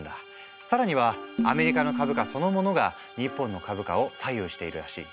更にはアメリカの株価そのものが日本の株価を左右しているらしい。